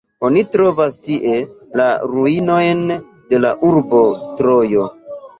Oni trovas tie la ruinojn de la urbo Trojo.